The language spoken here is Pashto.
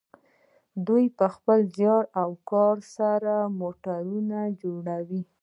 دوی په خپل زیار او کار سره موټرونه جوړوي.